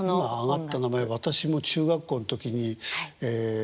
今挙がった名前私も中学校の時にええ